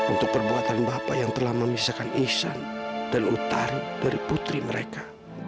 untuk perbuatan bapak yang telah memisahkan ihsan dan utari dari putri mereka